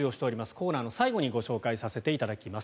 コーナーの最後にご紹介させていただきます。